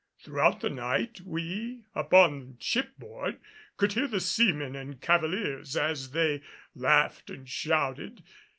Throughout the night we upon ship board could hear the seamen and cavaliers as they laughed and shouted.